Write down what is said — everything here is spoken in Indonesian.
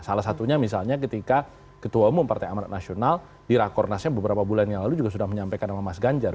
salah satunya misalnya ketika ketua umum partai amanat nasional di rakornasnya beberapa bulan yang lalu juga sudah menyampaikan sama mas ganjar